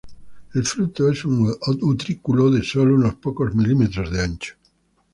El fruto es un utrículo de sólo unos pocos milímetros de ancho.